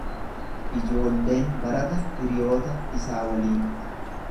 Ijoolleen barata hiriyoota isaa waliin.